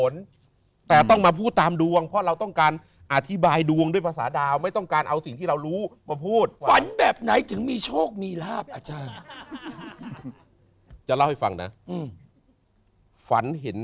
แล้วอยู่ว่าเป็น๑๐ปีเลยจนถึงวันนี้เป็นแขกรับเชิญเราอ่ะ